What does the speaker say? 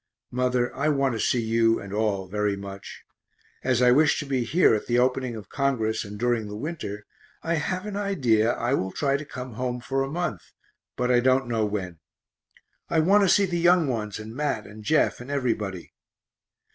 Mother, I want to see you and all very much. As I wish to be here at the opening of Congress, and during the winter, I have an idea I will try to come home for a month, but I don't know when I want to see the young ones and Mat and Jeff and everybody.